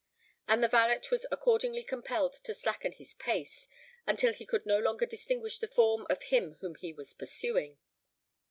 And the valet was accordingly compelled to slacken his pace until he could no longer distinguish the form of him whom he was pursuing.